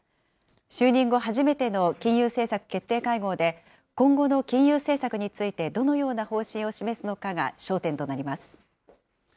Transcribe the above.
就任後初めての金融政策決定会合で今後の金融政策について、どのような方針を示すのかが焦点となります。